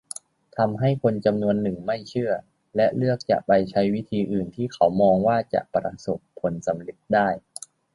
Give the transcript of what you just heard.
ทำให้คนจำนวนหนึ่งไม่เชื่อ และเลือกจะไปใช้วิธีอื่นที่เขามองว่าจะประสบผลสำเร็จได้